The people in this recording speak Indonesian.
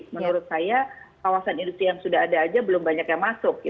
menurut saya kawasan industri yang sudah ada aja belum banyak yang masuk